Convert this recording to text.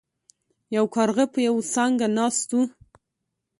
یو کارغه په یوه څانګه ناست و.